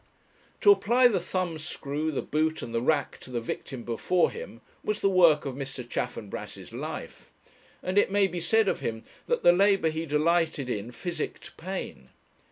To apply the thumbscrew, the boot, and the rack to the victim before him was the work of Mr. Chaffanbrass's life. And it may be said of him that the labour he delighted in physicked pain.